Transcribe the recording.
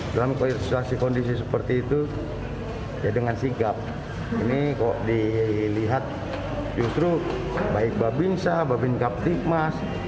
dalam kondisi kondisi seperti itu ya dengan sigap ini kok dilihat justru baik babinsa babin kaptikmas